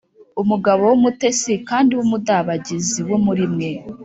“Umugabo w’umutesi kandi w’umudabagizi wo muri mwe,